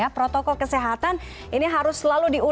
protokol kesehatan ini harus selalu diperlukan